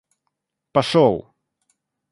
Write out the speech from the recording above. пошел